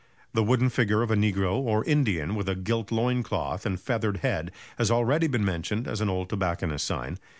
The wooden figure of a negro or "Indian" with gilt loin cloth and feathered head, has already been mentioned as an old tobacconist's sign.